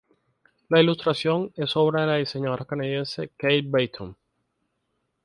La ilustración es obra de la diseñadora canadiense Kate Beaton.